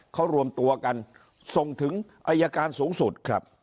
เขารวมตัวกันส่งถึงอายการสูงสุดครับ